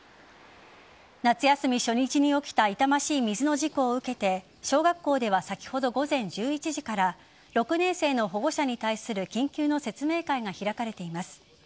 夏休み初日に起きた痛ましい水の事故を受けて小学校では先ほど午前１１時から６年生の保護者に対する緊急の説明会が開かれています。